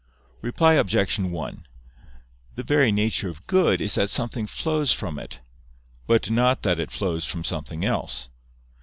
Reply Obj. 1: The very nature of good is that something flows from it, but not that it flows from something else.